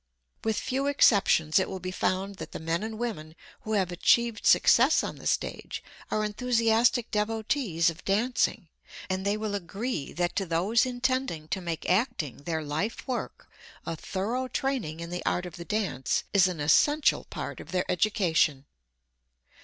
With few exceptions it will be found that the men and women who have achieved success on the stage are enthusiastic devotees of dancing, and they will agree that to those intending to make acting their life work a thorough training in the art of the dance is an essential part of their education.